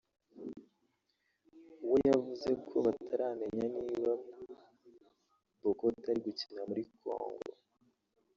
we yavuze ko bataramenya niba Bokota ari gukina muri Congo